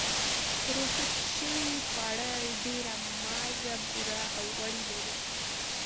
پروسس شوي خواړه ډېر مالګه، بوره او غوړي لري.